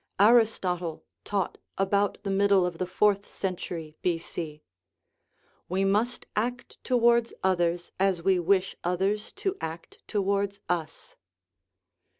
Aristotle taught about the middle of the fourth century B.C. : u We must act towards others as we wish others to act towards us."